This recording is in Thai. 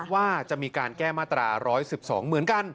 ว่าจะมีการแก้มาตรา๑๑๒เหมือนกัน